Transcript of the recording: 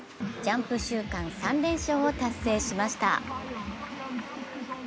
ジャンプ週間３連勝を達成しました